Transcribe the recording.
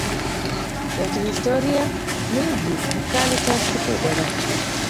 ya kihistoria Miji mkali taasisi kubwa za